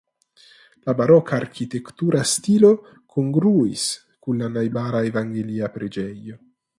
La baroka arkitektura stilo kongruis kun la najbara evangelia preĝejo.